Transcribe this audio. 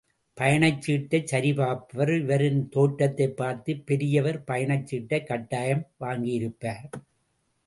பயணச்சீட்டை சரிபார்ப்பவர் இவரின் தோற்றத்தைப் பார்த்து, பெரியவர் பயணச்சீட்டைக் கட்டாயம் வாங்கியிருப்பார்.